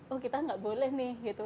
oh kita nggak boleh nih gitu